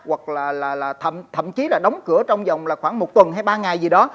hoặc là thậm chí là đóng cửa trong vòng là khoảng một tuần hay ba ngày gì đó